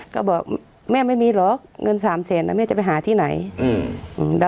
ก็บอกแม่ไม่มีเหรอเงินสามแสนอ่ะแม่จะไปหาที่ไหนอืม